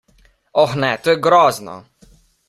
Oh ne, to je grozno!